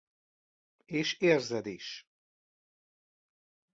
És érzed is.